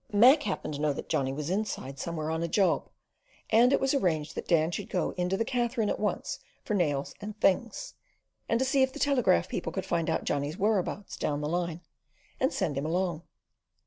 Mac happened to know that Johnny was "inside" somewhere on a job, and it was arranged that Dan should go in to the Katherine at once for nails and "things," and to see if the telegraph people could find out Johnny's whereabouts down the line, and send him along.